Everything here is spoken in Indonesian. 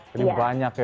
jadi banyak ya